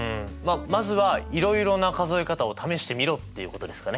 まずはいろいろな数え方を試してみろっていうことですかね。